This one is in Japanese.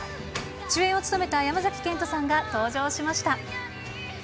主演を務めた山崎賢人さんが登場しました。